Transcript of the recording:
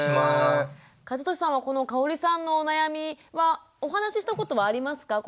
和俊さんはこのかおりさんのお悩みはお話ししたことはありますか